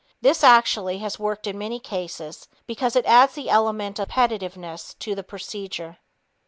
This actually has worked in many cases because it adds the element of competitiveness to the procedure.